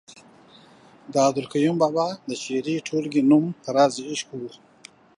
د عبدالقیوم بابا د شعري ټولګې نوم رازِ عشق ؤ